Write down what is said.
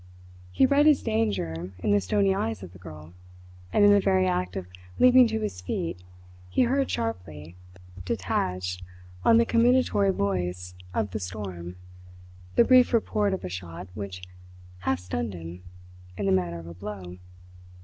He read his danger in the stony eyes of the girl; and in the very act of leaping to his feet he heard sharply, detached on the comminatory voice of the storm the brief report of a shot which half stunned him, in the manner of a blow.